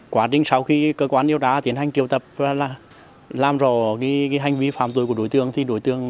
quá trình sau khi cơ quan điều tra tiến hành triều tập và làm rõ cái hành vi phạm tội của đối tượng